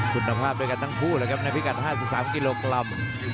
ทุนเลยดังนั้นผู้ละครับในพิกัด๕๓กิโลกลัม